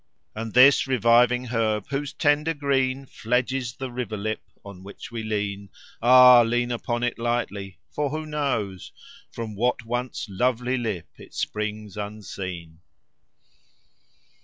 "And this reviving Herb whose tender Green Fledges the River Lip on which we lean Ah, lean upon it lightly, for who knows From what once lovely Lip it springs unseen?"